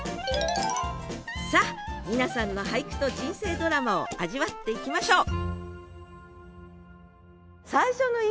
さあ皆さんの俳句と人生ドラマを味わっていきましょう！